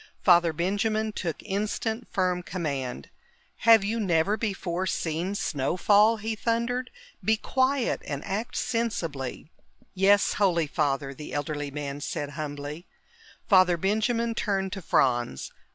Father Benjamin took instant, firm command. "Have you never before seen snow fall?" he thundered. "Be quiet and act sensibly!" "Yes, Holy Father," the elderly man said humbly. Father Benjamin turned to Franz.